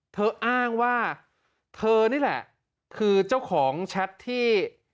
เธออ้างว่าเธอนี่แหละคือเจ้าของแชทที่